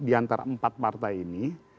di antara empat partai ini